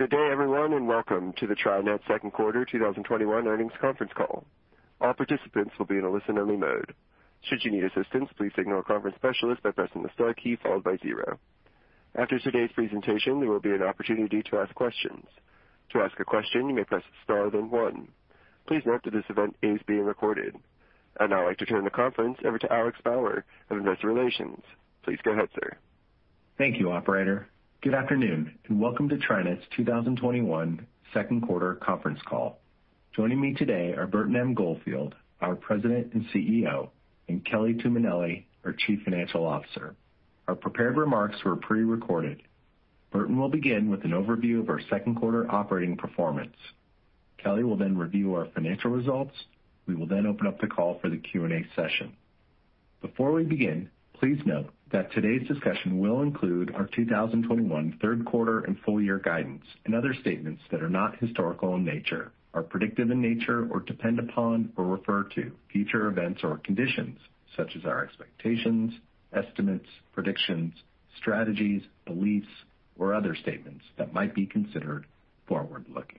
Good day, everyone, and welcome to the TriNet Q2 2021 earnings conference call. All participants will be in a listen-only mode. After today's presentation, there will be an opportunity to ask questions. Please note that this event is being recorded. I'd now like to turn the conference over to Alex Bauer, head of investor relations. Please go ahead, sir. Thank you, operator. Good afternoon. Welcome to TriNet's 2021 Q2 conference call. Joining me today are Burton M. Goldfield, our President and CEO, and Kelly Tuminelli, our Chief Financial Officer. Our prepared remarks were pre-recorded. Burton will begin with an overview of our Q2 operating performance. Kelly will review our financial results. We will open up the call for the Q&A session. Before we begin, please note that today's discussion will include our 2021 Q3 and full year guidance and other statements that are not historical in nature, are predictive in nature, or depend upon or refer to future events or conditions, such as our expectations, estimates, predictions, strategies, beliefs, or other statements that might be considered forward-looking.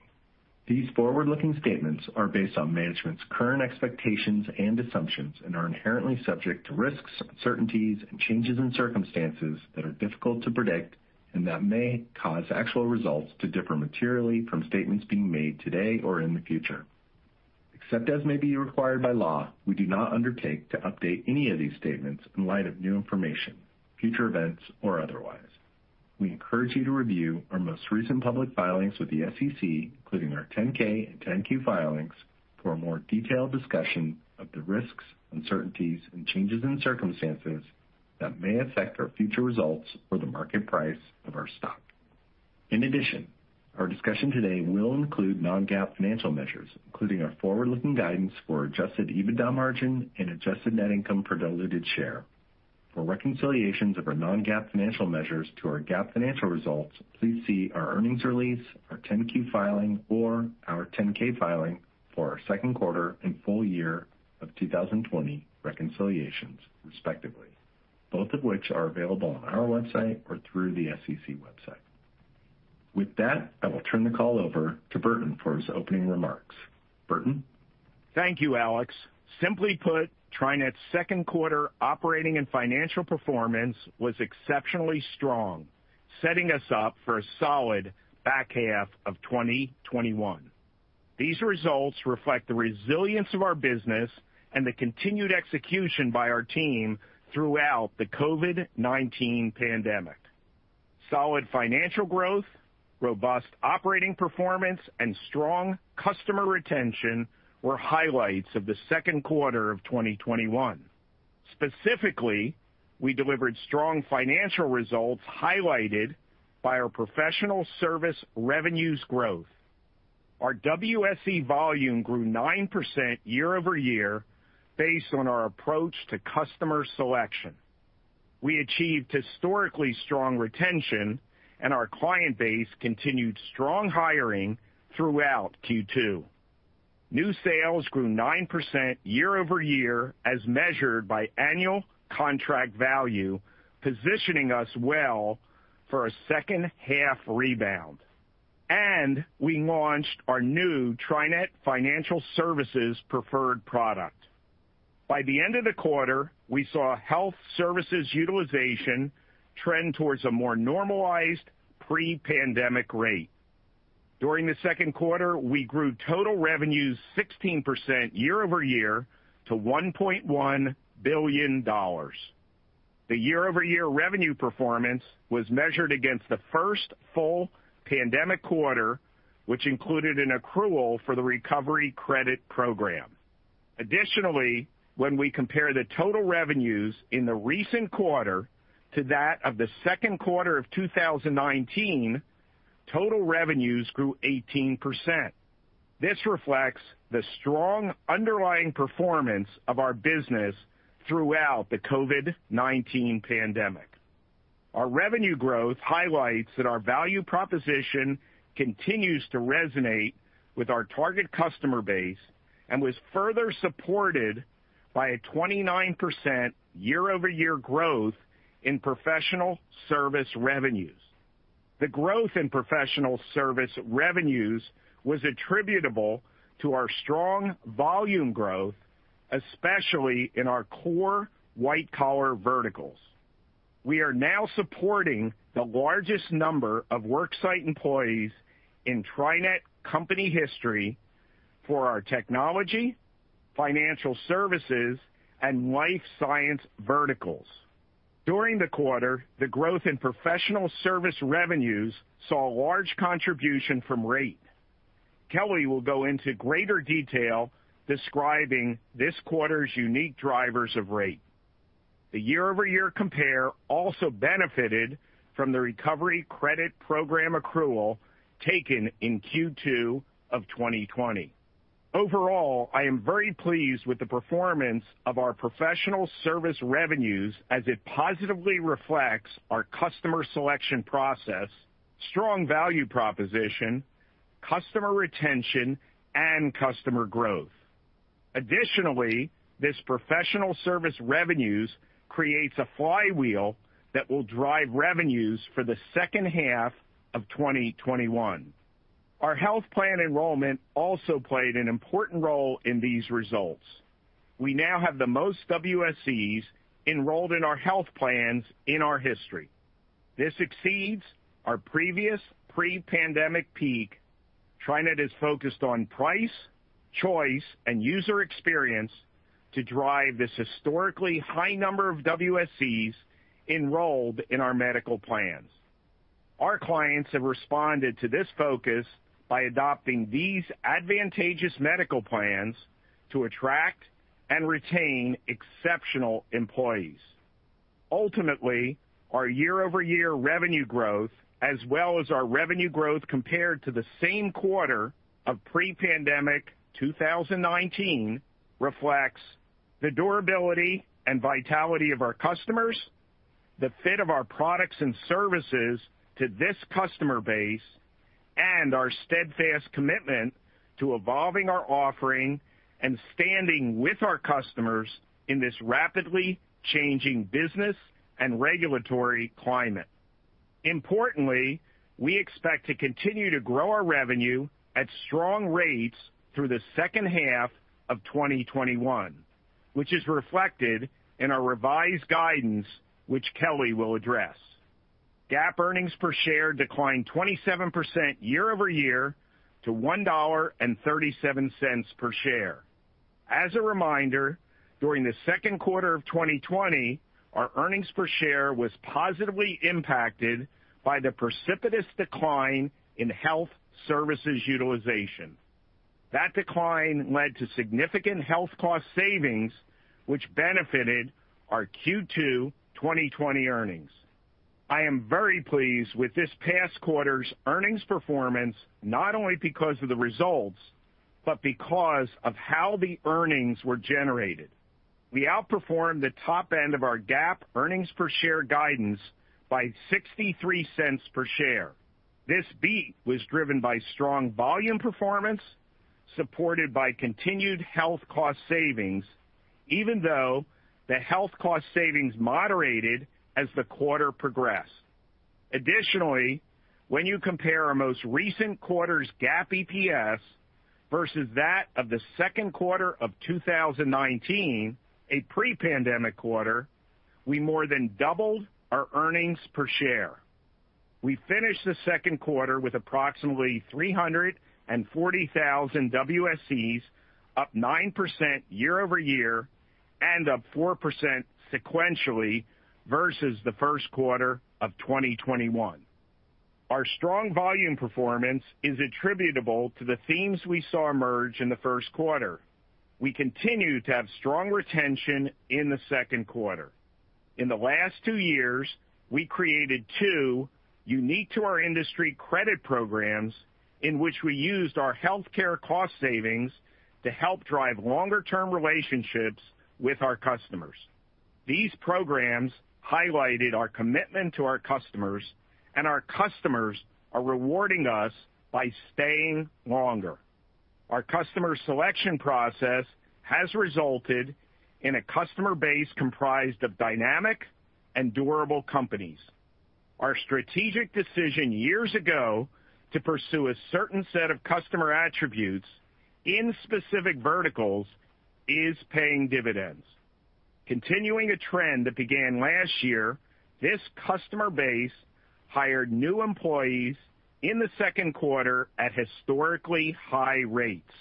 These forward-looking statements are based on management's current expectations and assumptions and are inherently subject to risks, uncertainties, and changes in circumstances that are difficult to predict and that may cause actual results to differ materially from statements being made today or in the future. Except as may be required by law, we do not undertake to update any of these statements in light of new information, future events, or otherwise. We encourage you to review our most recent public filings with the SEC, including our 10-K and 10-Q filings, for a more detailed discussion of the risks, uncertainties, and changes in circumstances that may affect our future results or the market price of our stock. In addition, our discussion today will include non-GAAP financial measures, including our forward-looking guidance for adjusted EBITDA margin and adjusted net income per diluted share. For reconciliations of our non-GAAP financial measures to our GAAP financial results, please see our earnings release, our 10-Q filing, or our 10-K filing for our Q2 and full year of 2020 reconciliations, respectively, both of which are available on our website or through the SEC website. With that, I will turn the call over to Burton for his opening remarks. Burton? Thank you, Alex. Simply put, TriNet's Q2 operating and financial performance was exceptionally strong, setting us up for a solid back half of 2021. These results reflect the resilience of our business and the continued execution by our team throughout the COVID-19 pandemic. Solid financial growth, robust operating performance, and strong customer retention were highlights of the Q2 of 2021. Specifically, we delivered strong financial results highlighted by our professional service revenues growth. Our WSE volume grew nine percent year-over-year based on our approach to customer selection. We achieved historically strong retention, and our client base continued strong hiring throughout Q2. New sales grew nine percent year-over-year as measured by annual contract value, positioning us well for a second-half rebound. We launched our new TriNet Financial Services Preferred product. By the end of the quarter, we saw health services utilization trend towards a more normalized pre-pandemic rate. During the Q2, we grew total revenues 16% year-over-year to $1.1 billion. The year-over-year revenue performance was measured against the first full pandemic quarter, which included an accrual for the Employee Retention Credit. Additionally, when we compare the total revenues in the recent quarter to that of the Q2 of 2019, total revenues grew 18%. This reflects the strong underlying performance of our business throughout the COVID-19 pandemic. Our revenue growth highlights that our value proposition continues to resonate with our target customer base and was further supported by a 29% year-over-year growth in professional service revenues. The growth in professional service revenues was attributable to our strong volume growth, especially in our core white-collar verticals. We are now supporting the largest number of work site employees in TriNet company history for our technology, financial services, and life science verticals. During the quarter, the growth in professional service revenues saw a large contribution from rate. Kelly will go into greater detail describing this quarter's unique drivers of rate. The year-over-year compare also benefited from the Employee Retention Credit accrual taken in Q2 of 2020. Overall, I am very pleased with the performance of our professional service revenues as it positively reflects our customer selection process, strong value proposition, customer retention, and customer growth. Additionally, this professional service revenues creates a flywheel that will drive revenues for the second half of 2021. Our health plan enrollment also played an important role in these results. We now have the most WSEs enrolled in our health plans in our history. This exceeds our previous pre-pandemic peak. TriNet is focused on price, choice, and user experience to drive this historically high number of WSEs enrolled in our medical plans. Our clients have responded to this focus by adopting these advantageous medical plans to attract and retain exceptional employees. Ultimately, our year-over-year revenue growth, as well as our revenue growth compared to the same quarter of pre-pandemic 2019, reflects the durability and vitality of our customers, the fit of our products and services to this customer base, and our steadfast commitment to evolving our offering and standing with our customers in this rapidly changing business and regulatory climate. Importantly, we expect to continue to grow our revenue at strong rates through the second half of 2021, which is reflected in our revised guidance, which Kelly will address. GAAP earnings per share declined 27% year-over-year - $1.37 per share. As a reminder, during the Q2 of 2020, our earnings per share was positively impacted by the precipitous decline in health services utilization. That decline led to significant health cost savings, which benefited our Q2 2020 earnings. I am very pleased with this past quarter's earnings performance, not only because of the results, but because of how the earnings were generated. We outperformed the top end of our GAAP earnings per share guidance by $0.63 per share. This beat was driven by strong volume performance, supported by continued health cost savings, even though the health cost savings moderated as the quarter progressed. Additionally, when you compare our most recent quarter's GAAP EPS versus that of the Q2 of 2019, a pre-pandemic quarter, we more than doubled our earnings per share. We finished the second quarter with approximately 340,000 WSEs, up nine percent year-over-year and up four percent sequentially versus the Q1 of 2021. Our strong volume performance is attributable to the themes we saw emerge in the Q1. We continue to have strong retention in the Q2. In the last two years, we created two unique-to-our-industry credit programs in which we used our healthcare cost savings to help drive longer-term relationships with our customers. These programs highlighted our commitment to our customers, and our customers are rewarding us by staying longer. Our customer selection process has resulted in a customer base comprised of dynamic and durable companies. Our strategic decision years ago to pursue a certain set of customer attributes in specific verticals is paying dividends. Continuing a trend that began last year, this customer base hired new employees in the Q2 at historically high rates.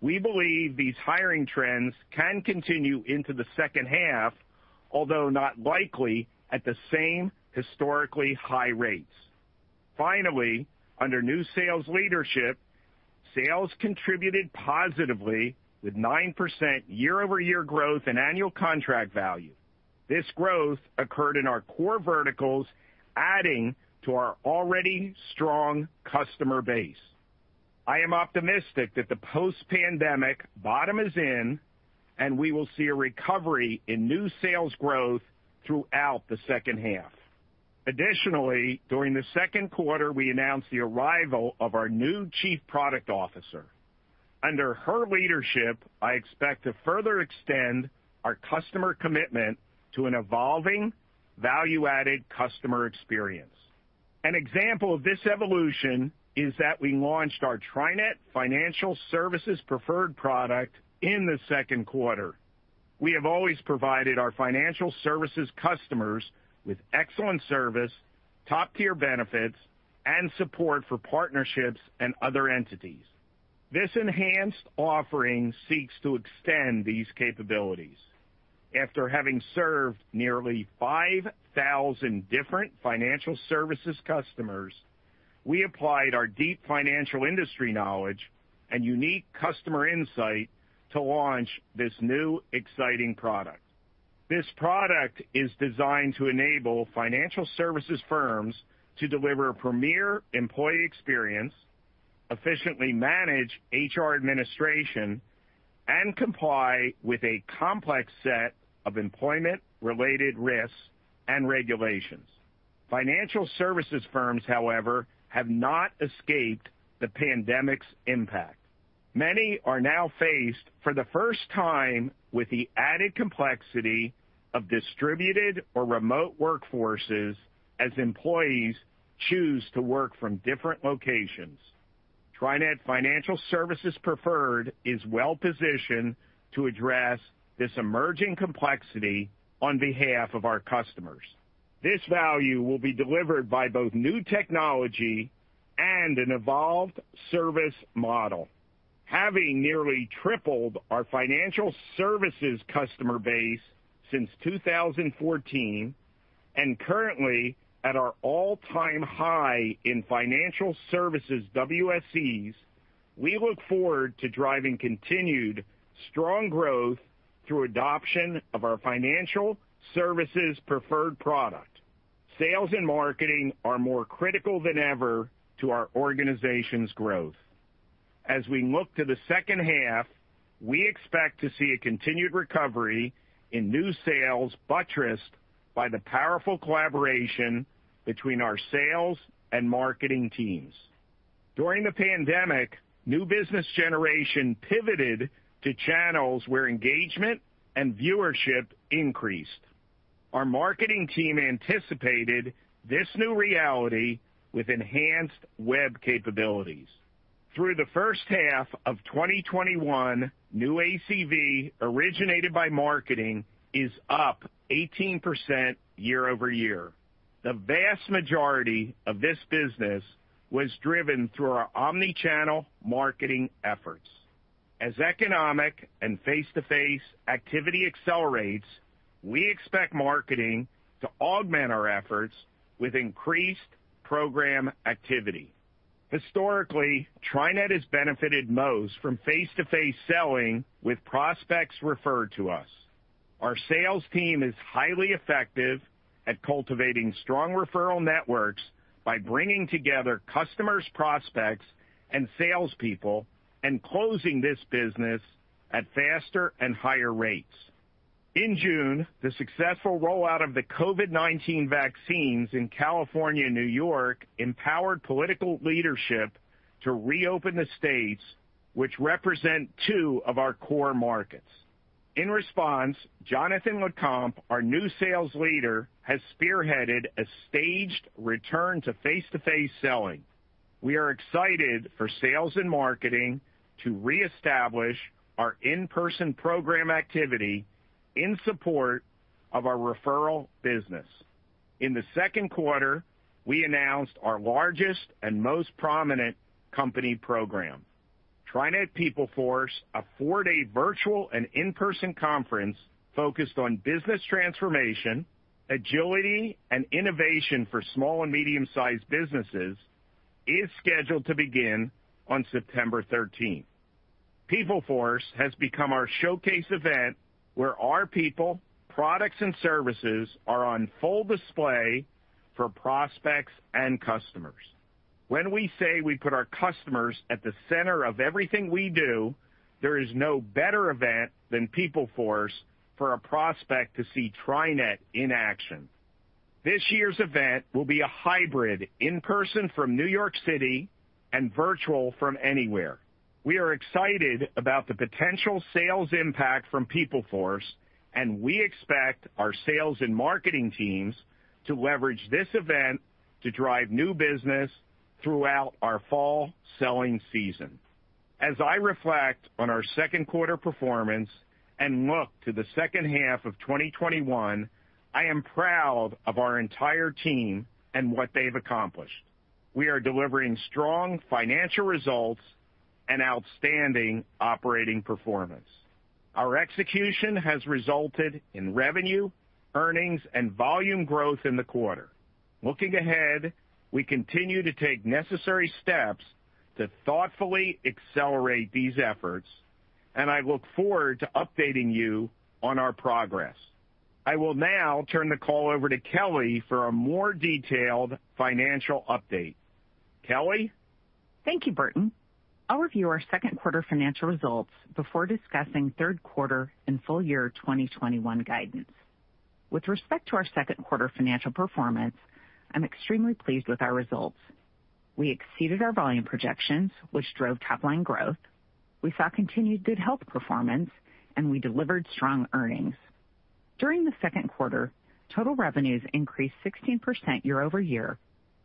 We believe these hiring trends can continue into the second half, although not likely at the same historically high rates. Finally, under new sales leadership, sales contributed positively with nine percent year-over-year growth in annual contract value. This growth occurred in our core verticals, adding to our already strong customer base. I am optimistic that the post-pandemic bottom is in, and we will see a recovery in new sales growth throughout the second half. Additionally, during theQ2, we announced the arrival of our new Chief Product Officer. Under her leadership, I expect to further extend our customer commitment to an evolving value-added customer experience. An example of this evolution is that we launched our TriNet Financial Services Preferred product in the Q2. We have always provided our financial services customers with excellent service, top-tier benefits, and support for partnerships and other entities. This enhanced offering seeks to extend these capabilities. After having served nearly 5,000 different financial services customers, we applied our deep financial industry knowledge and unique customer insight to launch this new, exciting product. This product is designed to enable financial services firms to deliver a premier employee experience, efficiently manage HR administration, and comply with a complex set of employment-related risks and regulations. Financial services firms, however, have not escaped the pandemic's impact. Many are now faced for the first time with the added complexity of distributed or remote workforces as employees choose to work from different locations. TriNet Financial Services Preferred is well-positioned to address this emerging complexity on behalf of our customers. This value will be delivered by both new technology and an evolved service model. Having nearly tripled our financial services customer base since 2014 and currently at our all time high in financial services WSEs, we look forward to driving continued strong growth through adoption of our Financial Services Preferred product. Sales and marketing are more critical than ever to our organization's growth. As we look to the second half, we expect to see a continued recovery in new sales buttressed by the powerful collaboration between our sales and marketing teams. During the pandemic, new business generation pivoted to channels where engagement and viewership increased. Our marketing team anticipated this new reality with enhanced web capabilities. Through the first half of 2021, new ACV originated by marketing is up 18% year-over-year. The vast majority of this business was driven through our omni-channel marketing efforts. As economic and face-to-face activity accelerates, we expect marketing to augment our efforts with increased program activity. Historically, TriNet has benefited most from face-to-face selling with prospects referred to us. Our sales team is highly effective at cultivating strong referral networks by bringing together customers, prospects, and salespeople, and closing this business at faster and higher rates. In June, the successful rollout of the COVID-19 vaccines in California and New York empowered political leadership to reopen the states, which represent two of our core markets. In response, Jonathan LeCompte, our new sales leader, has spearheaded a staged return to face-to-face selling. We are excited for sales and marketing to reestablish our in-person program activity in support of our referral business. In the second quarter, we announced our largest and most prominent company program. TriNet PeopleForce, a four day virtual and in-person conference focused on business transformation, agility, and innovation for small and medium-size businesses, is scheduled to begin on September 13th. PeopleForce has become our showcase event where our people, products, and services are on full display for prospects and customers. When we say we put our customers at the center of everything we do, there is no better event than PeopleForce for a prospect to see TriNet in action. This year's event will be a hybrid, in-person from New York City and virtual from anywhere. We are excited about the potential sales impact from PeopleForce, we expect our sales and marketing teams to leverage this event to drive new business throughout our fall selling season. As I reflect on our Q2 performance and look to the second half of 2021, I am proud of our entire team and what they've accomplished. We are delivering strong financial results and outstanding operating performance. Our execution has resulted in revenue, earnings, and volume growth in the quarter. Looking ahead, we continue to take necessary steps to thoughtfully accelerate these efforts, and I look forward to updating you on our progress. I will now turn the call over to Kelly for a more detailed financial update. Kelly? Thank you, Burton. I'll review our Q2 financial results before discussing Q3 and full year 2021 guidance. With respect to our Q2 financial performance, I'm extremely pleased with our results. We exceeded our volume projections, which drove top-line growth. We saw continued good health performance, and we delivered strong earnings. During the Q2, total revenues increased 16% year-over-year,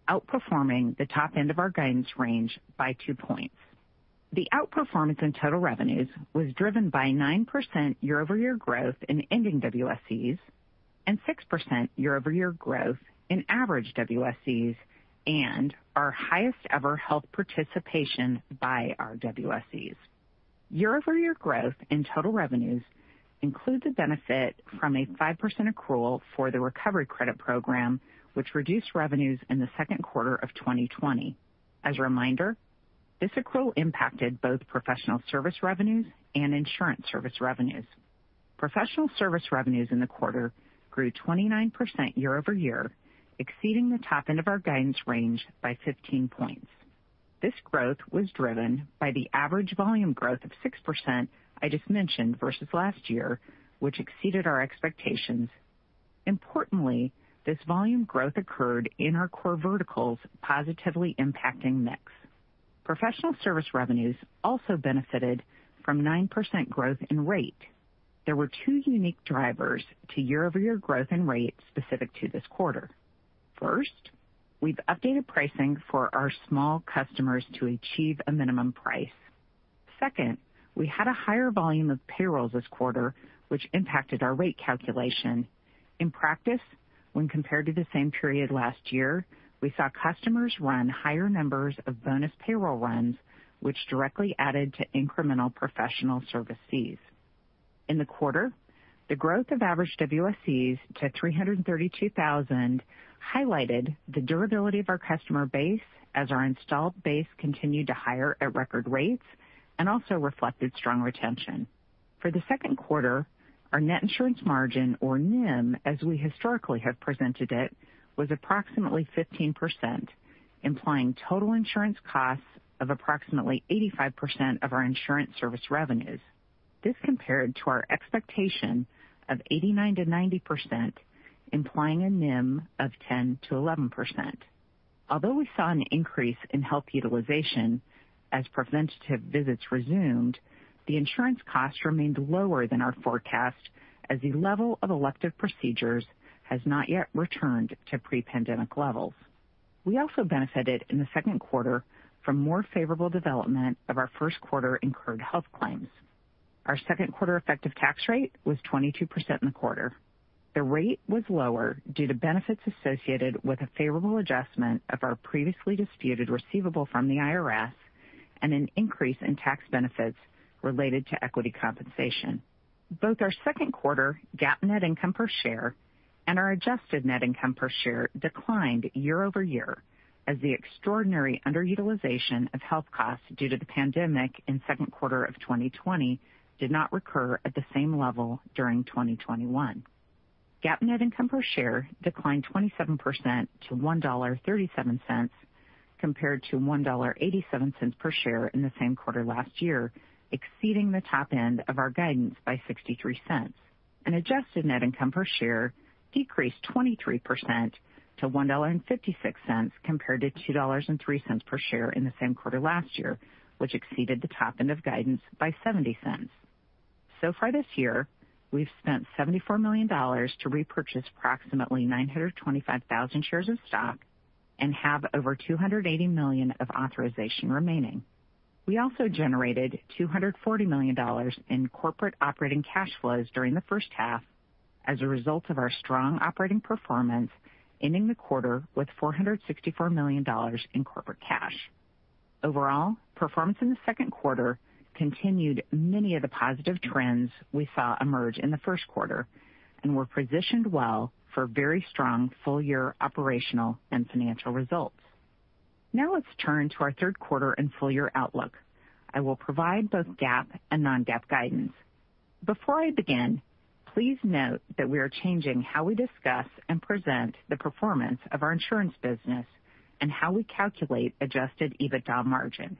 outperforming the top end of our guidance range by two points. The outperformance in total revenues was driven by nine percent year-over-year growth in ending WSEs and six percent year-over-year growth in average WSEs and our highest-ever health participation by our WSEs. Year-over-year growth in total revenues includes a benefit from a five percent accrual for the Employee Retention Credit, which reduced revenues in the second quarter of 2020. As a reminder, this accrual impacted both professional service revenues and insurance service revenues. Professional service revenues in the quarter grew 29% year-over-year, exceeding the top end of our guidance range by 15 points. This growth was driven by the average volume growth of six percent I just mentioned versus last year, which exceeded our expectations. Importantly, this volume growth occurred in our core verticals, positively impacting mix. Professional service revenues also benefited from nine percent growth in rate. There were two unique drivers to year-over-year growth in rate specific to this quarter. First, we've updated pricing for our small customers to achieve a minimum price. Second, we had a higher volume of payrolls this quarter, which impacted our rate calculation. In practice, when compared to the same period last year, we saw customers run higher numbers of bonus payroll runs, which directly added to incremental professional service fees. In the quarter, the growth of average WSEs to 332,000 highlighted the durability of our customer base as our installed base continued to hire at record rates and also reflected strong retention. For the Q2, our net insurance margin, or NIM, as we historically have presented it, was approximately 15%, implying total insurance costs of approximately 85% of our insurance service revenues. This compared to our expectation of 89%-90%, implying a NIM of 10%-11%. Although we saw an increase in health utilization as preventative visits resumed, the insurance costs remained lower than our forecast as the level of elective procedures has not yet returned to pre-pandemic levels. We also benefited in the Q2 from more favorable development of our Q1 incurred health claims. Our Q2 effective tax rate was 22% in the quarter. The rate was lower due to benefits associated with a favorable adjustment of our previously disputed receivable from the IRS and an increase in tax benefits related to equity compensation. Both our Q2 GAAP net income per share and our adjusted net income per share declined year-over-year as the extraordinary underutilization of health costs due to the pandemic in Q2 of 2020 did not recur at the same level during 2021. GAAP net income per share declined 27% -$1.37 compared to $1.87 per share in the same quarter last year, exceeding the top end of our guidance by $0.63. Adjusted net income per share decreased 23% - $1.56 compared - $2.03 per share in the same quarter last year, which exceeded the top end of guidance by $0.70. Far this year, we've spent $74 million to repurchase approximately 925,000 shares of stock and have over $280 million of authorization remaining. We also generated $240 million in corporate operating cash flows during the first half as a result of our strong operating performance, ending the quarter with $464 million in corporate cash. Overall, performance in the Q2 continued many of the positive trends we saw emerge in the Q1 and we're positioned well for very strong full year operational and financial results. Let's turn to our Q3 and full year outlook. I will provide both GAAP and non-GAAP guidance. Before I begin, please note that we are changing how we discuss and present the performance of our insurance business and how we calculate adjusted EBITDA margin.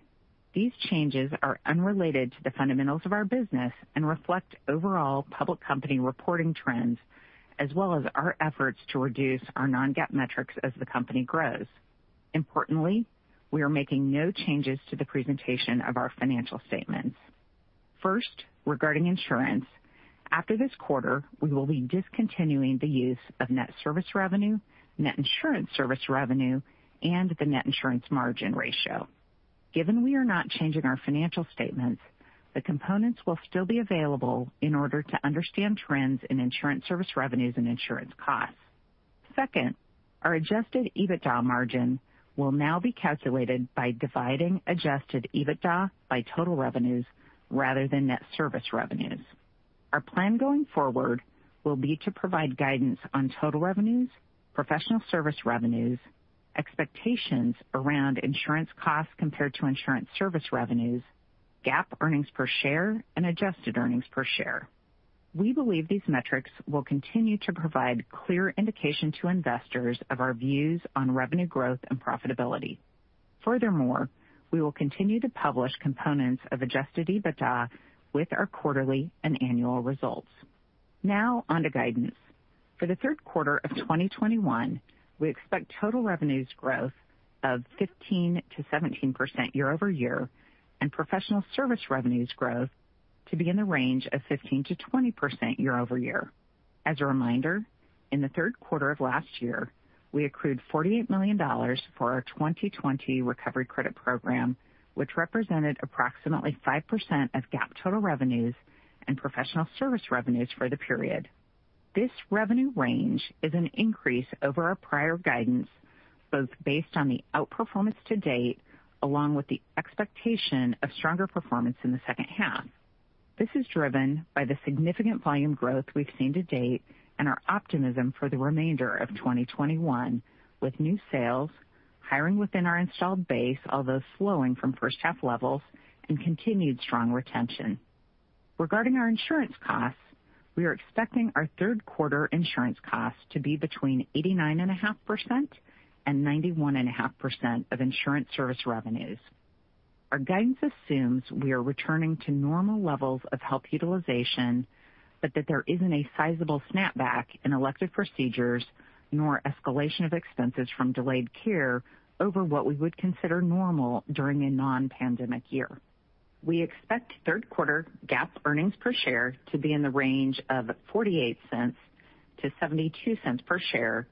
These changes are unrelated to the fundamentals of our business and reflect overall public company reporting trends, as well as our efforts to reduce our non-GAAP metrics as the company grows. Importantly, we are making no changes to the presentation of our financial statements. Regarding insurance, after this quarter, we will be discontinuing the use of net service revenue, net insurance service revenue, and the net insurance margin ratio. Given we are not changing our financial statements, the components will still be available in order to understand trends in insurance service revenues and insurance costs. Our adjusted EBITDA margin will now be calculated by dividing adjusted EBITDA by total revenues rather than net service revenues. Our plan going forward will be to provide guidance on total revenues, professional service revenues, expectations around insurance costs compared to insurance service revenues, GAAP earnings per share, and adjusted earnings per share. We believe these metrics will continue to provide clear indication to investors of our views on revenue growth and profitability. Furthermore, we will continue to publish components of adjusted EBITDA with our quarterly and annual results. Now on to guidance. For the Q3 of 2021, we expect total revenues growth of 15%-17% year-over-year, and professional service revenues growth to be in the range of 15%-20% year-over-year. As a reminder, in the Q3 of last year, we accrued $48 million for our 2020 Recovery Credit Program, which represented approximately five percent of GAAP total revenues and professional service revenues for the period. This revenue range is an increase over our prior guidance, both based on the outperformance to date, along with the expectation of stronger performance in the second half. This is driven by the significant volume growth we've seen to date and our optimism for the remainder of 2021 with new sales, hiring within our installed base, although slowing from 1st half levels, and continued strong retention. Our insurance costs, we are expecting our Q3 insurance costs to be 89.5%-91.5% of insurance service revenues. Our guidance assumes we are returning to normal levels of health utilization, but that there isn't a sizable snapback in elective procedures, nor escalation of expenses from delayed care over what we would consider normal during a non-pandemic year. We expect Q3 GAAP earnings per share to be in the range of $0.48-$0.72 per share,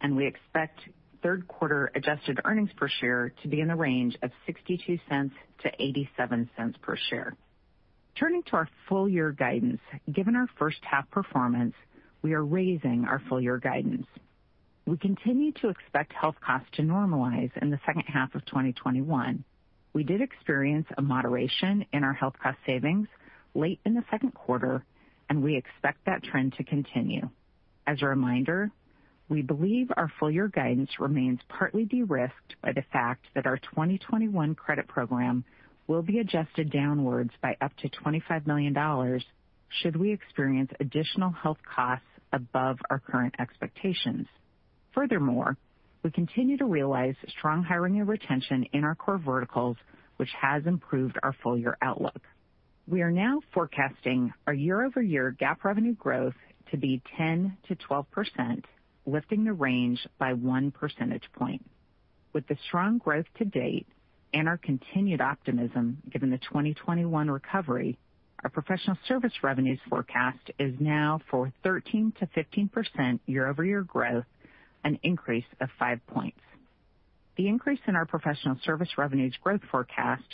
and we expect Q3 adjusted earnings per share to be in the range of $0.62-$0.87 per share. Turning to our full-year guidance, given our first half performance, we are raising our full-year guidance. We continue to expect health costs to normalize in the second half of 2021. We did experience a moderation in our health cost savings late in the Q2, and we expect that trend to continue. As a reminder, we believe our full-year guidance remains partly de-risked by the fact that our 2021 credit program will be adjusted downwards by up to $25 million should we experience additional health costs above our current expectations. Furthermore, we continue to realize strong hiring and retention in our core verticals, which has improved our full-year outlook. We are now forecasting our year-over-year GAAP revenue growth to be 10%-12%, lifting the range by one percentage point. With the strong growth to date and our continued optimism given the 2021 recovery, our professional service revenues forecast is now for 13%-15% year-over-year growth, an increase of five points. The increase in our professional service revenues growth forecast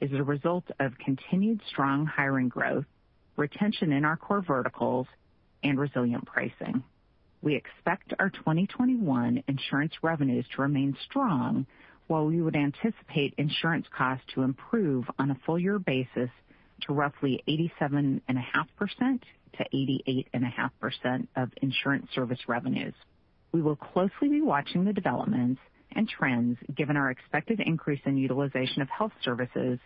is a result of continued strong hiring growth, retention in our core verticals, and resilient pricing. We expect our 2021 insurance revenues to remain strong, while we would anticipate insurance costs to improve on a full-year basis to roughly 87.5%-88.5% of insurance service revenues. We will closely be watching the developments and trends given our expected increase in utilization of health services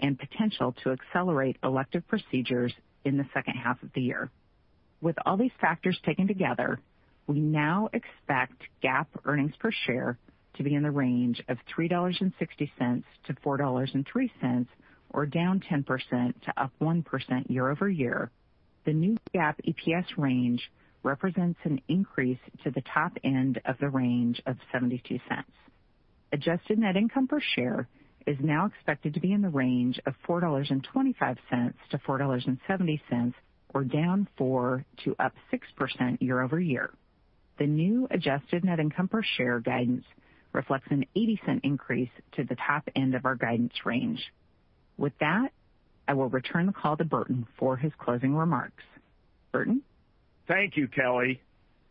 and potential to accelerate elective procedures in the second half of the year. With all these factors taken together, we now expect GAAP earnings per share to be in the range of $3.60-$4.03, or -10% - +1% year-over-year. The new GAAP EPS range represents an increase to the top end of the range of $0.72. Adjusted net income per share is now expected to be in the range of $4.25-$4.70, or -4% - +6% year-over-year. The new adjusted net income per share guidance reflects an $0.80 increase to the top end of our guidance range. With that, I will return the call to Burton for his closing remarks. Burton? Thank you, Kelly.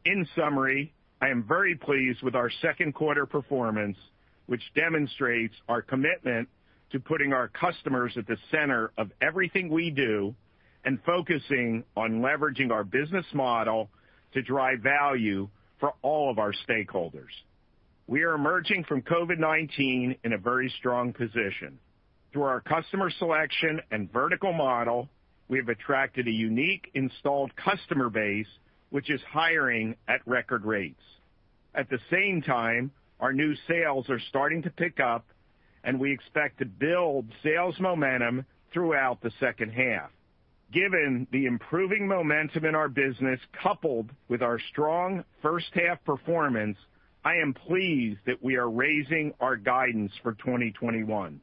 In summary, I am very pleased with our Q2 performance, which demonstrates our commitment to putting our customers at the center of everything we do and focusing on leveraging our business model to drive value for all of our stakeholders. We are emerging from COVID-19 in a very strong position. Through our customer selection and vertical model, we have attracted a unique installed customer base, which is hiring at record rates. At the same time, our new sales are starting to pick up, and we expect to build sales momentum throughout the second half. Given the improving momentum in our business, coupled with our strong first half performance, I am pleased that we are raising our guidance for 2021.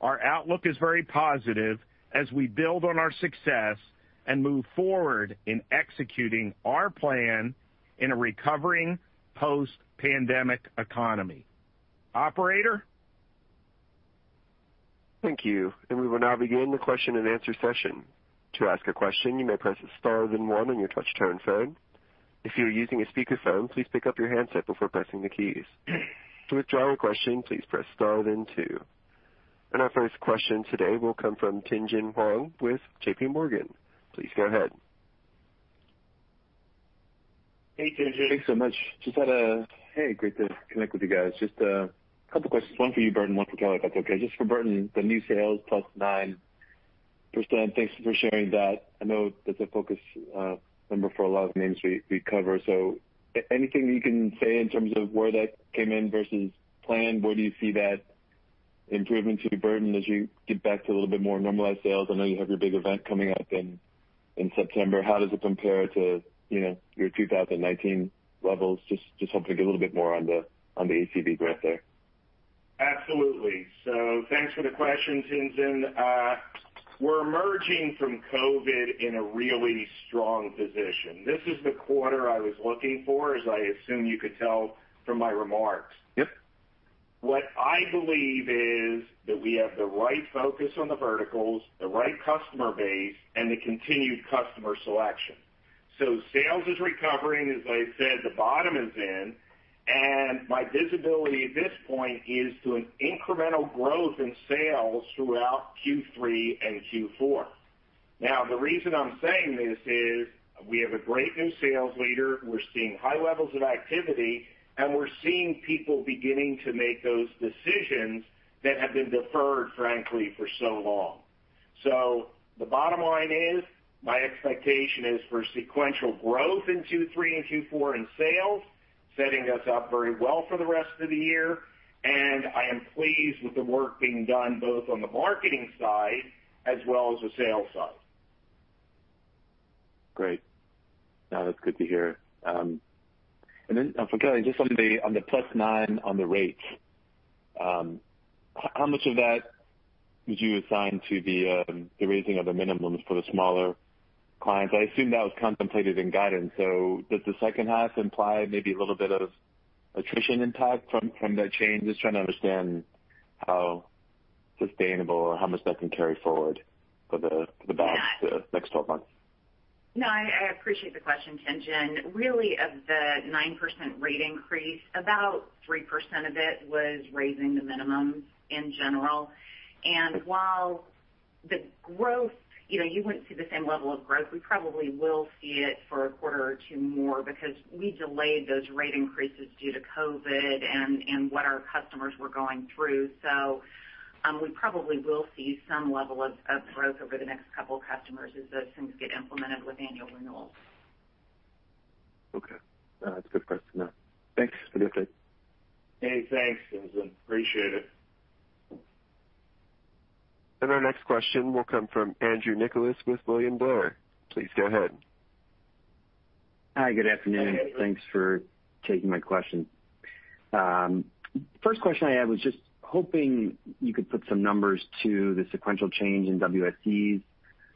Our outlook is very positive as we build on our success and move forward in executing our plan in a recovering post-pandemic economy. Operator? Thank you. We will now begin the question and answer session. Our first question today will come from Tien-Tsin Huang with JPMorgan. Please go ahead. Hey, Tien-Tsin. Thanks so much. Hey, great to connect with you guys. Just a couple questions. One for you, Burton, one for Kelly, if that's okay. Just for Burton, the new sales plus nine percent, thanks for sharing that. I know that's a focus number for a lot of names we cover. Anything you can say in terms of where that came in versus planned? Where do you see that improvement to be, Burton, as you get back to a little bit more normalized sales? I know you have your big event coming up in September. How does it compare to your 2019 levels? Just hoping to get a little bit more on the ACV growth there. Absolutely. Thanks for the question, Tien-Tsin Huang. We're emerging from COVID-19 in a really strong position. This is the quarter I was looking for, as I assume you could tell from my remarks. Yep. What I believe is that we have the right focus on the verticals, the right customer base, and the continued customer selection. Sales is recovering. As I said, the bottom is in. My visibility at this point is to an incremental growth in sales throughout Q3 and Q4. The reason I'm saying this is. We have a great new sales leader. We're seeing high levels of activity, and we're seeing people beginning to make those decisions that have been deferred, frankly, for so long. The bottom line is, my expectation is for sequential growth in Q3 and Q4 in sales, setting us up very well for the rest of the year. I am pleased with the work being done both on the marketing side as well as the sales side. Great. That's good to hear. For Kelly, just on the +9 on the rates. How much of that would you assign to the raising of the minimums for the smaller clients? I assume that was contemplated in guidance. Does the second half imply maybe a little bit of attrition impact from that change? I'm just trying to understand how sustainable or how much that can carry forward for the next 12 months. No, I appreciate the question, Tien-Tsin. Really, of the nine percent rate increase, about three percent of it was raising the minimums in general. While the growth, you wouldn't see the same level of growth. We probably will see it for a quarter or two more because we delayed those rate increases due to COVID-19 and what our customers were going through. We probably will see some level of growth over the next couple of customers as those things get implemented with annual renewals. Okay. That's a good question. Thanks for the update. Hey, thanks, Tien-Tsin. Appreciate it. Our next question will come from Andrew Nicholas with William Blair. Please go ahead. Hi, good afternoon. Hey, Andrew. Thanks for taking my question. First question I had was just hoping you could put some numbers to the sequential change in WSEs.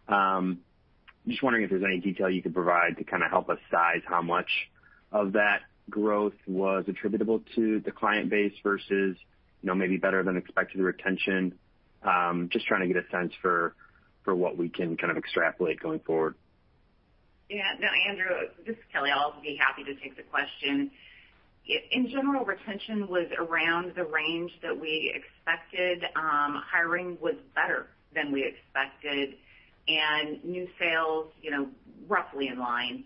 I'm just wondering if there's any detail you could provide to kind of help us size how much of that growth was attributable to the client base versus maybe better-than-expected retention. Just trying to get a sense for what we can kind of extrapolate going forward. Yeah. No, Andrew, this is Kelly. I'll be happy to take the question. In general, retention was around the range that we expected. Hiring was better than we expected, and new sales roughly in line.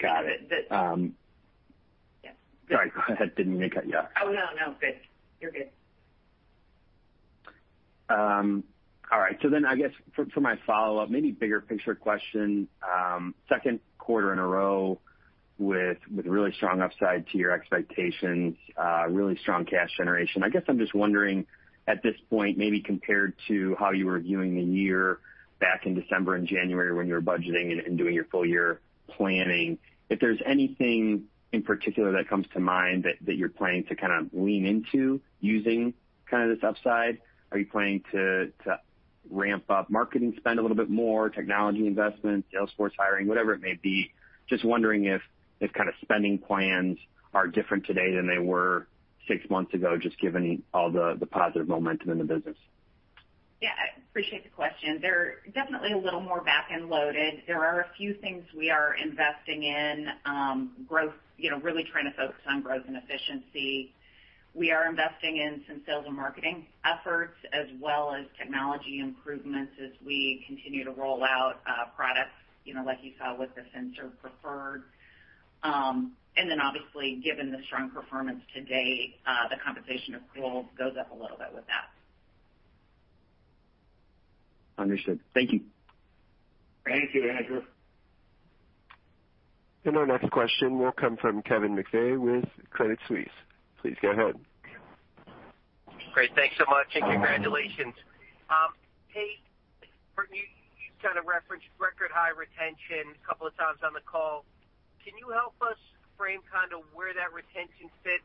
Got it. Yes. Sorry, go ahead. Didn't mean to cut you off. Oh, no. You're good. All right. I guess for my follow-up, maybe bigger picture question. Q2 in a row with really strong upside to your expectations, really strong cash generation. I guess I'm just wondering at this point, maybe compared to how you were viewing the year back in December and January when you were budgeting and doing your full year planning, if there's anything in particular that comes to mind that you're planning to kind of lean into using kind of this upside. Are you planning to ramp up marketing spend a little bit more, technology investment, sales force hiring, whatever it may be? Just wondering if kind of spending plans are different today than they were six months ago, just given all the positive momentum in the business. Yeah, I appreciate the question. They're definitely a little more back-end loaded. There are a few things we are investing in. Really trying to focus on growth and efficiency. We are investing in some sales and marketing efforts as well as technology improvements as we continue to roll out products like you saw with the FinServ Preferred. Obviously, given the strong performance to date, the compensation accrual goes up a little bit with that. Understood. Thank you. Thank you, Andrew. Our next question will come from Kevin McVeigh with Credit Suisse. Please go ahead. Great. Thanks so much, and congratulations. Hey, you kind of referenced record high retention a couple of times on the call. Can you help us frame kind of where that retention fits?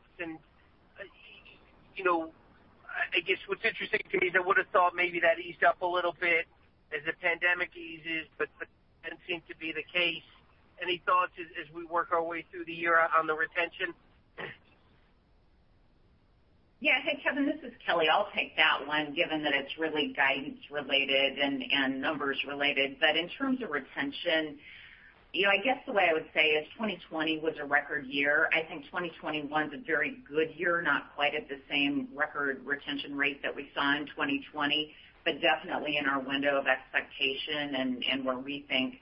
I guess what's interesting to me is I would've thought maybe that eased up a little bit as the pandemic eases, but that doesn't seem to be the case. Any thoughts as we work our way through the year on the retention? Yeah. Hey, Kevin, this is Kelly. I'll take that one given that it's really guidance related and numbers related. In terms of retention, I guess the way I would say is 2020 was a record year. I think 2021's a very good year, not quite at the same record retention rate that we saw in 2020, but definitely in our window of expectation and where we think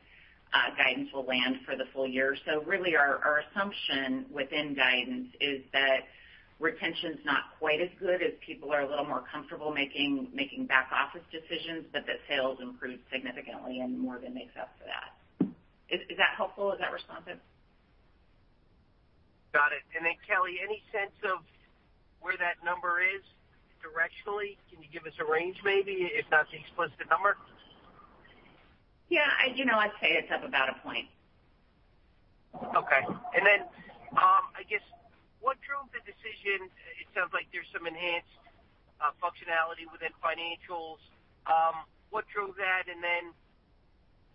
guidance will land for the full year. Really our assumption within guidance is that retention's not quite as good as people are a little more comfortable making back-office decisions, but that sales improved significantly and more than makes up for that. Is that helpful? Is that responsive? Got it. Then Kelly, any sense of where that number is directionally? Can you give us a range maybe, if not the explicit number? Yeah. I'd say it's up about a point. Okay. I guess what drove the decision? It sounds like there's some enhanced functionality within financials. What drove that?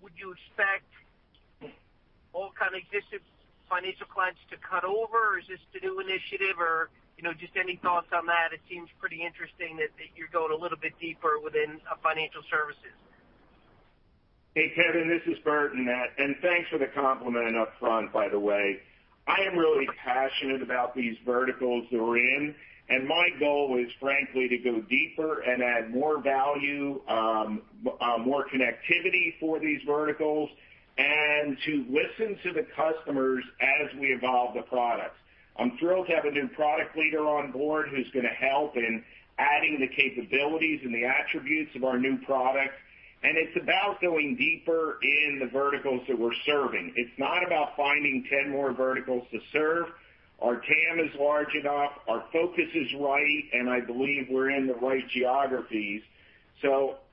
Would you expect all kind of existing financial clients to cut over, or is this the new initiative or just any thoughts on that? It seems pretty interesting that you're going a little bit deeper within financial services. Hey, Kevin, this is Burton. Thanks for the compliment up front, by the way. I am really passionate about these verticals that we're in, and my goal is frankly to go deeper and add more value, more connectivity for these verticals, and to listen to the customers as we evolve the products. I'm thrilled to have a new product leader on board who's going to help in adding the capabilities and the attributes of our new products. It's about going deeper in the verticals that we're serving. It's not about finding 10 more verticals to serve. Our TAM is large enough, our focus is right, and I believe we're in the right geographies.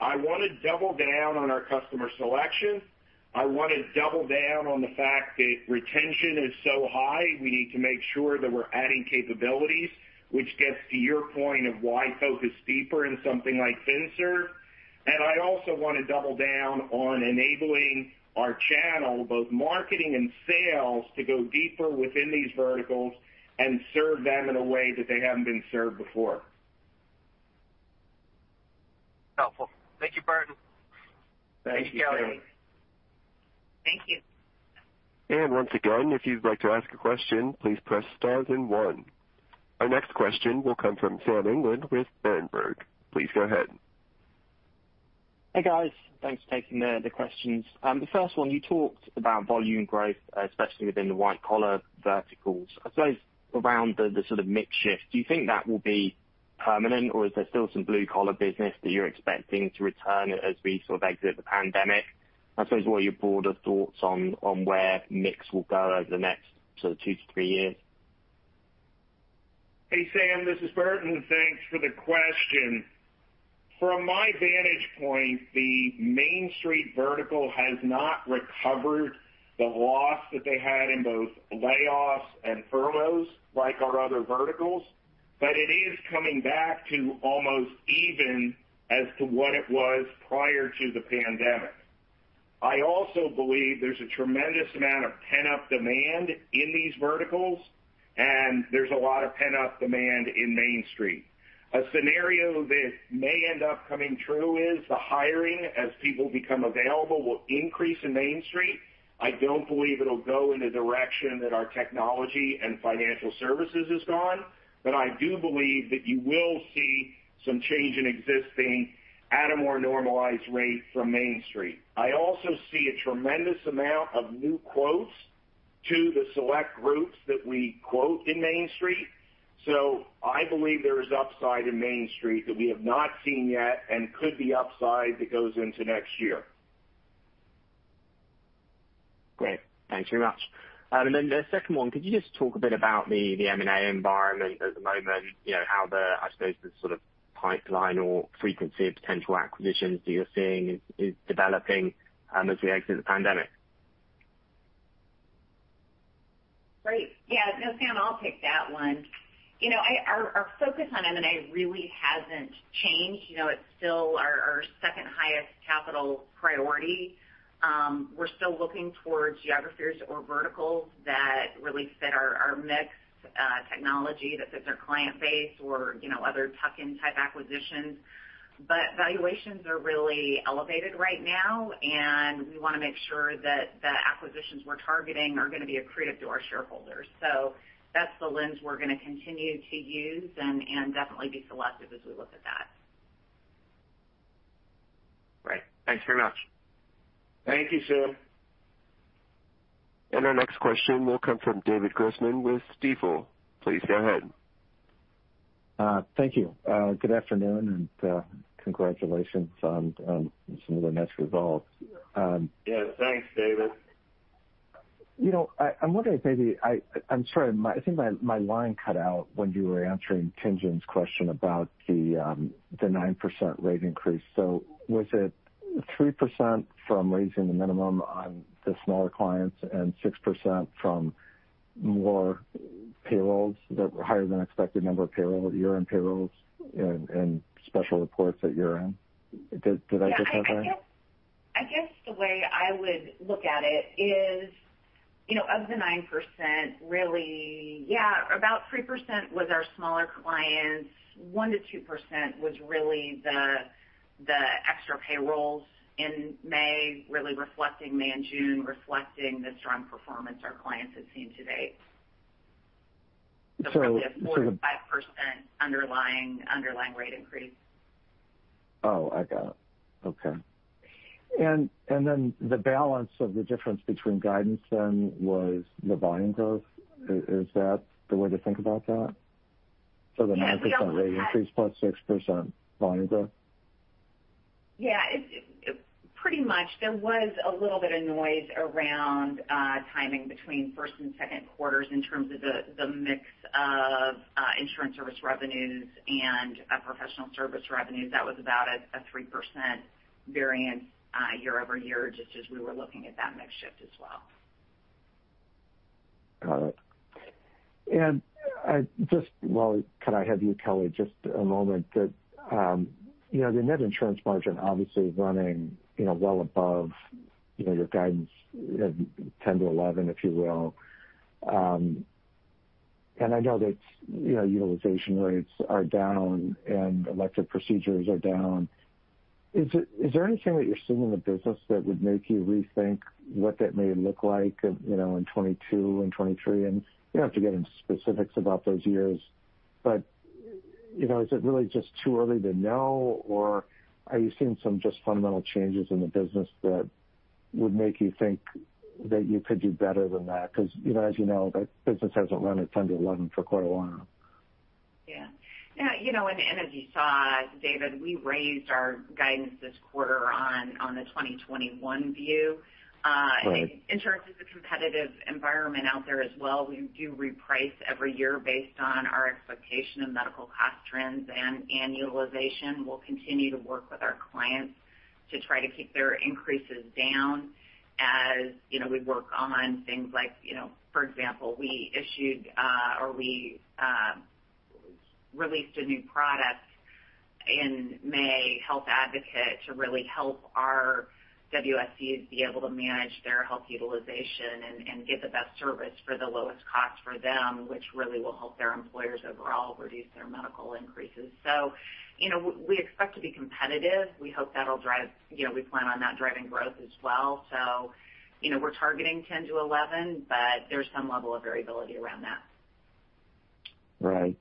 I want to double down on our customer selection. I want to double down on the fact that retention is so high, we need to make sure that we're adding capabilities, which gets to your point of why focus deeper in something like FinServ. I also want to double down on enabling our channel, both marketing and sales, to go deeper within these verticals and serve them in a way that they haven't been served before. Helpful. Thank you, Burton. Thank you, Kevin. Thanks, Kelly. Thank you. Once again, if you'd like to ask a question, please press star and one. Our next question will come from Sam England with Berenberg. Please go ahead. Hey, guys. Thanks for taking the questions. The first one, you talked about volume growth, especially within the white-collar verticals. I suppose around the sort of mix shift, do you think that will be permanent, or is there still some blue-collar business that you're expecting to return as we sort of exit the pandemic? I suppose what are your broader thoughts on where mix will go over the next sort of two-three years? Hey, Sam, this is Burton. Thanks for the question. From my vantage point, the Main Street vertical has not recovered the loss that they had in both layoffs and furloughs like our other verticals, but it is coming back to almost even as to what it was prior to the pandemic. I also believe there's a tremendous amount of pent-up demand in these verticals, and there's a lot of pent-up demand in Main Street. A scenario that may end up coming true is the hiring as people become available will increase in Main Street. I don't believe it'll go in the direction that our technology and financial services has gone, but I do believe that you will see some change in existing at a more normalized rate from Main Street. I also see a tremendous amount of new quotes to the select groups that we quote in Main Street. I believe there is upside in Main Street that we have not seen yet and could be upside that goes into next year. Great. Thanks very much. The second one, could you just talk a bit about the M&A environment at the moment? How the, I suppose, the sort of pipeline or frequency of potential acquisitions that you're seeing is developing as we exit the pandemic. Great. Yeah. No, Sam, I'll take that one. Our focus on M&A really hasn't changed. It's still our second highest capital priority. We're still looking towards geographies or verticals that really fit our mix, technology that fits our client base or other tuck-in type acquisitions. Valuations are really elevated right now, and we want to make sure that the acquisitions we're targeting are going to be accretive to our shareholders. That's the lens we're going to continue to use and definitely be selective as we look at that. Great. Thanks very much. Thank you, Sam. Our next question will come from David Grossman with Stifel. Please go ahead. Thank you. Good afternoon, and congratulations on some of the nice results. Yeah. Thanks, David. I'm wondering if maybe I'm sorry, I think my line cut out when you were answering Tin-Tsin's question about the nine percent rate increase. Was it three percent from raising the minimum on the smaller clients and six percent from more payrolls that were higher than expected number of payroll, year-end payrolls and special reports at year-end? Did I get that right? Yeah. I guess the way I would look at it is, of the nine percent, really, about three percent was our smaller clients. one percent -two percent was really the extra payrolls in May, really reflecting May and June, reflecting the strong performance our clients have seen to date. So- Probably a four percent -five percent underlying rate increase. Oh, I got it. Okay. The balance of the difference between guidance then was the volume growth. Is that the way to think about that? The nine percent rate increase plus six percent volume growth? Yeah. Pretty much. There was a little bit of noise around timing between Q1 and Q2 in terms of the mix of insurance service revenues and professional service revenues. That was about a three percent variance year-over-year, just as we were looking at that mix shift as well. Got it. Just while, could I have you, Kelly, just a moment? The net insurance margin obviously is running well above your guidance of 10%-11%, if you will. I know that utilization rates are down and elective procedures are down. Is there anything that you're seeing in the business that would make you rethink what that may look like in '22 and '23? You don't have to get into specifics about those years, but is it really just too early to know? Are you seeing some just fundamental changes in the business that would make you think that you could do better than that? As you know, that business hasn't run at 10%-11% for quite a while now. Yeah. As you saw, David, we raised our guidance this quarter on the 2021 view. Right. In terms of the competitive environment out there as well, we do reprice every year based on our expectation of medical cost trends and annualization. We'll continue to work with our clients to try to keep their increases down as we work on things like, for example, we issued or we released a new product in May, Health Advocate, to really help our WSEs be able to manage their health utilization and get the best service for the lowest cost for them, which really will help their employers overall reduce their medical increases. We expect to be competitive. We plan on that driving growth as well. We're targeting 10 - 11, but there's some level of variability around that. Right.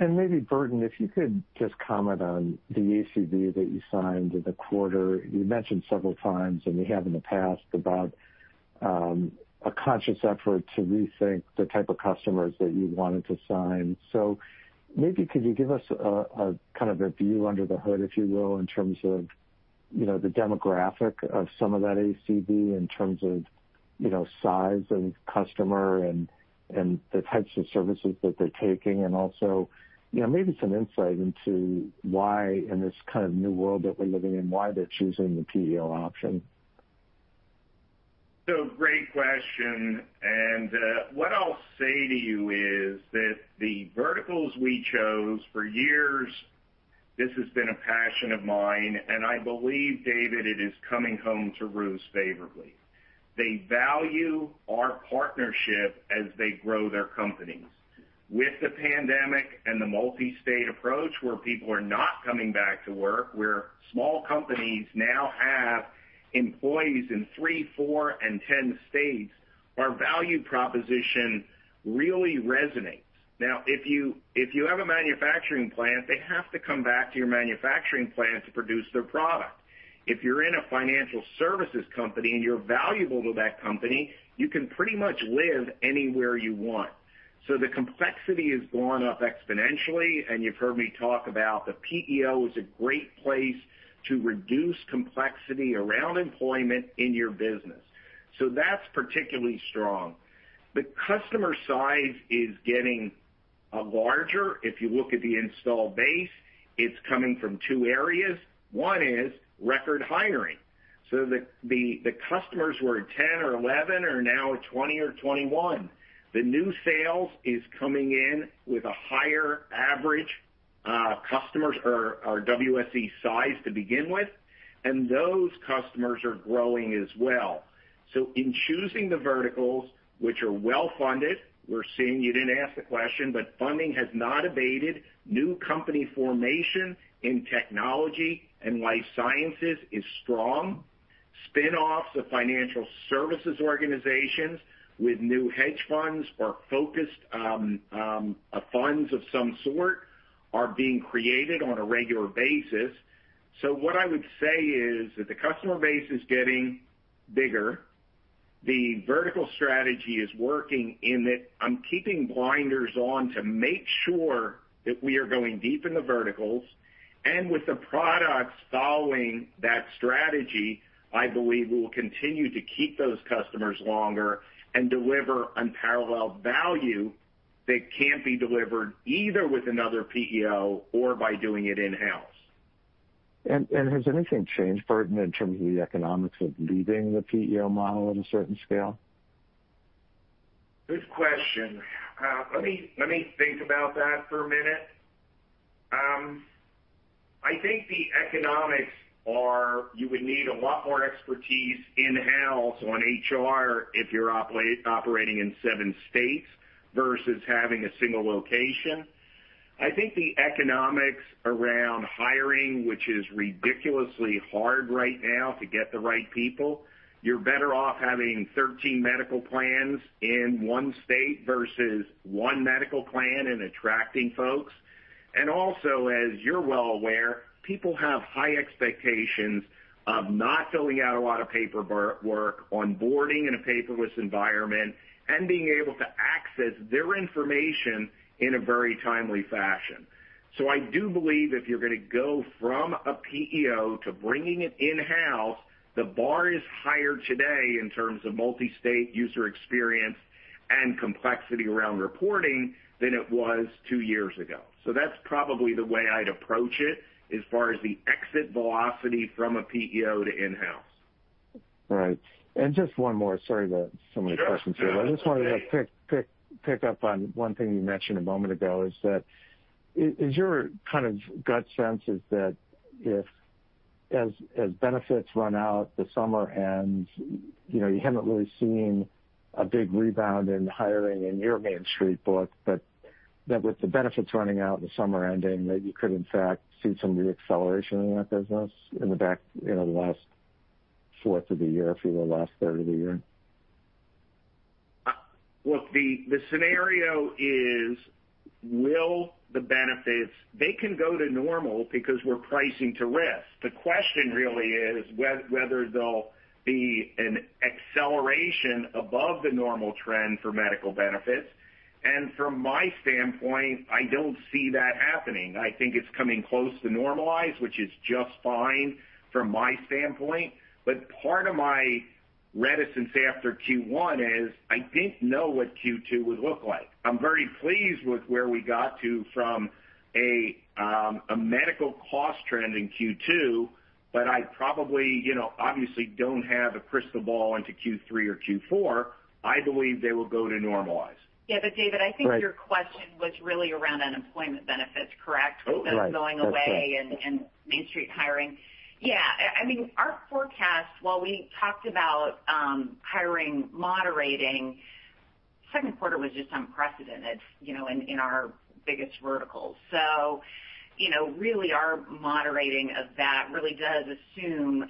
Maybe Burton, if you could just comment on the ACV that you signed in the quarter. You mentioned several times, and we have in the past, about a conscious effort to rethink the type of customers that you wanted to sign. Maybe could you give us a kind of a view under the hood, if you will, in terms of the demographic of some of that ACV, in terms of size of customer and the types of services that they're taking, and also maybe some insight into why, in this kind of new world that we're living in, why they're choosing the PEO option? Great question, what I'll say to you is that the verticals we chose, for years this has been a passion of mine, and I believe, David, it is coming home to roost favorably. They value our partnership as they grow their companies. With the pandemic and the multi-state approach, where people are not coming back to work, where small companies now have employees in three, four and 10 states, our value proposition really resonates. If you have a manufacturing plant, they have to come back to your manufacturing plant to produce their product. If you're in a financial services company, and you're valuable to that company, you can pretty much live anywhere you want. The complexity has gone up exponentially, and you've heard me talk about the PEO is a great place to reduce complexity around employment in your business. That's particularly strong. The customer size is getting larger. If you look at the install base, it's coming from two areas. One is record hiring. The customers who were 10 or 11 are now 20 or 21. The new sales is coming in with a higher average customers or WSE size to begin with, and those customers are growing as well. In choosing the verticals, which are well-funded, we're seeing, you didn't ask the question, but funding has not abated. New company formation in technology and life sciences is strong. Spin-offs of financial services organizations with new hedge funds or focused funds of some sort are being created on a regular basis. What I would say is that the customer base is getting bigger. The vertical strategy is working in that I'm keeping blinders on to make sure that we are going deep in the verticals, and with the products following that strategy, I believe we will continue to keep those customers longer and deliver unparalleled value that can't be delivered either with another PEO or by doing it in-house. Has anything changed, Burton, in terms of the economics of leaving the PEO model at a certain scale? Good question. Let me think about that for a minute. I think the economics are you would need a lot more expertise in-house on HR if you're operating in seven states versus having a single location. I think the economics around hiring, which is ridiculously hard right now to get the right people, you're better off having 13 medical plans in one state versus one medical plan in attracting folks. Also, as you're well aware, people have high expectations of not filling out a lot of paperwork, onboarding in a paperless environment, and being able to access their information in a very timely fashion. I do believe if you're going to go from a PEO to bringing it in-house, the bar is higher today in terms of multi-state user experience and complexity around reporting than it was two years ago. That's probably the way I'd approach it as far as the exit velocity from a PEO to in-house. Right. Just one more. Sorry that so many questions here. Sure. I just wanted to pick up on one thing you mentioned a moment ago, is that your kind of gut sense is that as benefits run out, the summer ends, you haven't really seen a big rebound in hiring in your Main Street book, but that with the benefits running out, the summer ending, that you could in fact see some re-acceleration in that business in the last fourth of the year, if you will, last third of the year? The scenario is the benefits can go to normal because we're pricing to risk. The question really is whether there'll be an acceleration above the normal trend for medical benefits. From my standpoint, I don't see that happening. I think it's coming close to normalized, which is just fine from my standpoint. Part of my reticence after Q1 is I didn't know what Q2 would look like. I'm very pleased with where we got to from a medical cost trend in Q2, but I probably, obviously, don't have a crystal ball into Q3 or Q4. I believe they will go to normalized. Yeah. David, I think your question was really around unemployment benefits, correct? Right. That's right. With those going away and Main Street hiring. Yeah. Our forecast, while we talked about hiring moderating, Q2 was just unprecedented in our biggest verticals. Really our moderating of that really does assume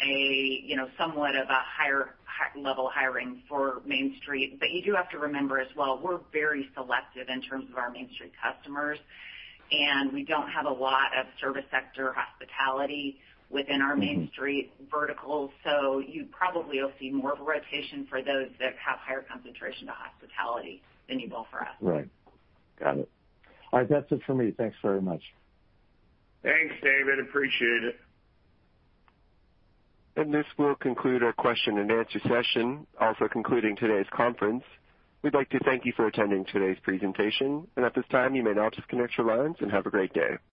somewhat of a higher level hiring for Main Street. You do have to remember as well, we're very selective in terms of our Main Street customers, and we don't have a lot of service sector hospitality within our Main Street verticals. You probably will see more of a rotation for those that have higher concentration to hospitality than you will for us. Right. Got it. All right, that's it for me. Thanks very much. Thanks, David. Appreciate it. This will conclude our question and answer session, also concluding today's conference. We'd like to thank you for attending today's presentation, and at this time, you may now disconnect your lines and have a great day.